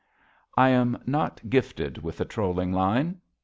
I am not gifted with the trolling line.